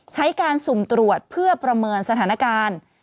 ใช้การสุ่มตรวจเพื่อประเมินสถานการณ์